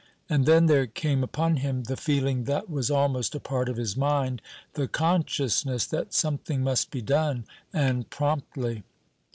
And then there came upon him the feeling that was almost a part of his mind the consciousness that something must be done, and promptly.